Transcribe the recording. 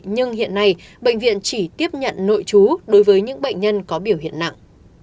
nhưng hiện nay bệnh viện chỉ tiếp nhận nội chú đối với những bệnh nhân có biểu hiện nặng